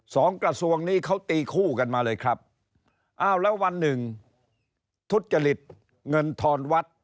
กระทรวงนี้เขาตีคู่กันมาเลยครับอ้าวแล้ววันหนึ่งทุจริตเงินทอนวัด